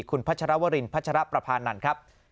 คุณพัชรวรินพัชรประพานันทร์ครับ